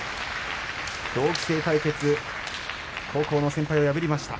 同期生対決高校の先輩を破りました。